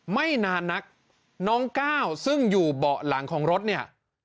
ไม่นานนักน้องก้าวซึ่งอยู่เบาะหลังของรถเนี่ย